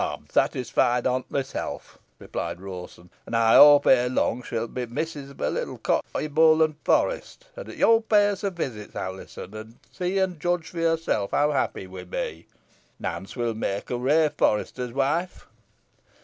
"Ey'm satisfied on't myself," replied Rawson; "an ey hope ere long she'll be missus o' a little cot i' Bowland Forest, an that yo'll pay us a visit, Alizon, an see an judge fo' yourself how happy we be. Nance win make a rare forester's wife."